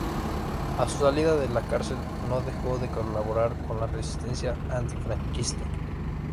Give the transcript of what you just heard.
A su salida de la cárcel no dejó de colaborar con la resistencia antifranquista.